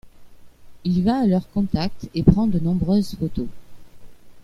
Il va à leur contact et prend de nombreuses photos.